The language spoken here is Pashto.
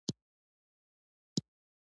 یورانیم د افغانستان د پوهنې نصاب کې شامل دي.